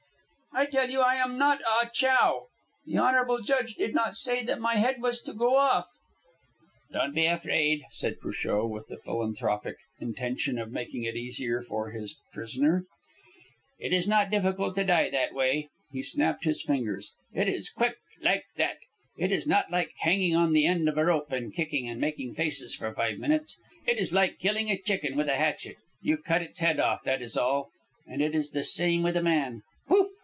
"I tell you I am not Ah Chow. The honourable judge did not say that my head was to go off." "Don't be afraid," said Cruchot, with the philanthropic intention of making it easier for his prisoner. "It is not difficult to die that way." He snapped his fingers. "It is quick like that. It is not like hanging on the end of a rope and kicking and making faces for five minutes. It is like killing a chicken with a hatchet. You cut its head off, that is all. And it is the same with a man. Pouf!